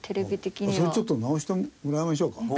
それちょっと直してもらいましょうか。